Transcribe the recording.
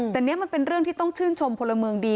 แต่นี่มันเป็นเรื่องที่ต้องชื่นชมพลเมืองดี